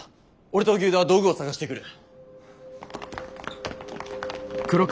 俺と荻生田は道具を探してくる。